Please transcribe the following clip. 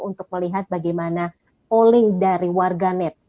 untuk melihat bagaimana polling dari warganet